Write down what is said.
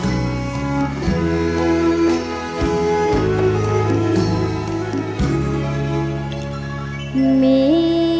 ขอโชคดี